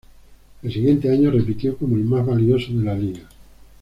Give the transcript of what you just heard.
El siguiente año repitió como el más valioso de la liga.